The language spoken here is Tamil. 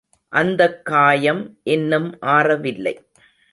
அந்தக் காயம் இன்னும் ஆறவில்லை.